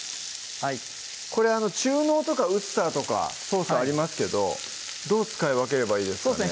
これ中濃とかウスターとかソースありますけどどう使い分ければいいですかね